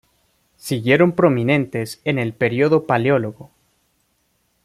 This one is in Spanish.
Siguieron prominentes en el período Paleólogo.